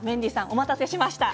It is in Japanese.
お待たせしました。